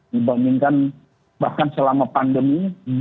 dibandingkan bahkan selama pandemi